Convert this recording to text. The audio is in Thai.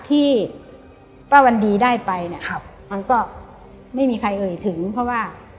ที่ป้าวันดีได้ไปเนี่ยมันก็ไม่มีใครเอ่ยถึงเพราะว่า